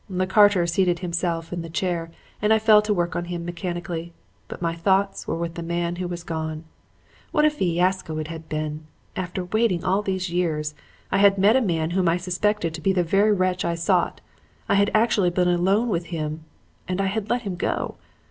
"The carter seated himself in the chair and I fell to work on him mechanically. But my thoughts were with the man who was gone. What a fiasco it had been! After waiting all these years, I had met a man whom I suspected to be the very wretch I sought; I had actually been alone with him and I had let him go!